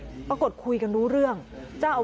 พูดสิทธิ์ข่าวบอกว่าพระต่อว่าชาวบ้านที่มายืนล้อมอยู่แบบนี้ค่ะ